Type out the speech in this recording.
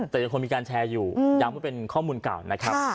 แต่ยังคงมีการแชร์อยู่ย้ำว่าเป็นข้อมูลเก่านะครับ